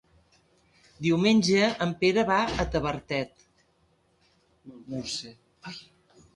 Diumenge en Pere va a Tavertet.